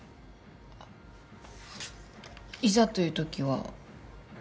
あっいざというときは。